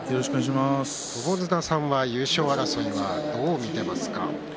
友綱さんは優勝争いはどう見ていますか？